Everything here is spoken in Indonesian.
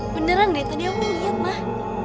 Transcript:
beneran deh tadi aku ngeliat mah